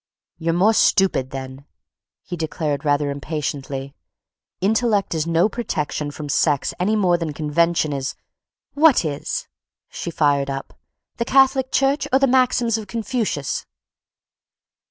"You're more stupid then," he declared rather impatiently. "Intellect is no protection from sex any more than convention is..." "What is?" she fired up. "The Catholic Church or the maxims of Confucius?"